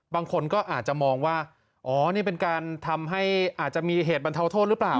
บางคนก็อาจจะมองว่าอ๋อนี่เป็นการทำให้อาจจะมีเหตุบรรเทาโทษหรือเปล่า